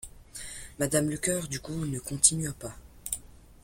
Madame Lecœur, du coup, ne continua pas.